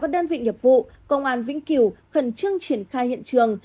các đơn vị nhiệm vụ công an vĩnh kiểu khẩn trương triển khai hiện trường